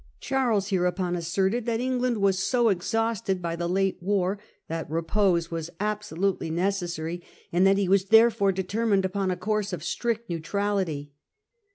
Charles hereupon asserted that England was so exhausted by Re'ection of * ate war ^ at re P ose was absolutely neces French° n ° sary, and that he was therefore determined Uance. upon a course of strict neutrality.